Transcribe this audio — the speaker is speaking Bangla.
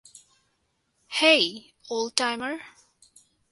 হেই, ওল্ড-টাইমার।